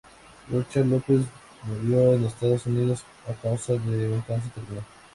Rocha López murió en Estados Unidos a causa de un cáncer terminal.